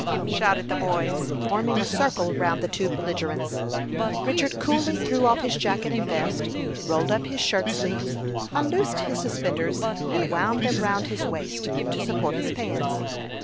shouted the boys, forming a circle round the two belligerents. Richard coolly threw off his jacket and vest, rolled up his shirt sleeves, unloosed his suspenders, and wound them round his waist, to support his pants.